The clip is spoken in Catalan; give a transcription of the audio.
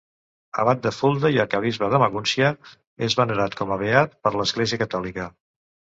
Abat de Fulda i arquebisbe de Magúncia, és venerat com a beat per l'Església catòlica.